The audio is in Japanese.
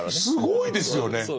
すごいですよね。